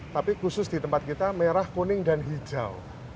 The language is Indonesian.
tapi khusus di tempat kita merah kuning dan hijau